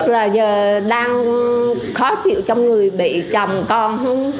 là giờ đang khó chịu trong người bị chồng con